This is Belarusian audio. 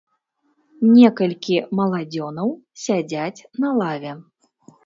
Некалькі маладзёнаў сядзяць на лаве.